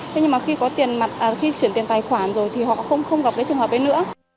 thế nhưng mà khi có tiền mặt khi chuyển tiền tài khoản rồi thì họ không gặp cái trường hợp ấy nữa